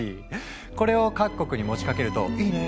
これを各国に持ちかけると「いいね！」